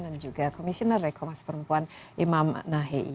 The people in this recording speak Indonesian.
dan juga komisioner rekomas perempuan imam nahei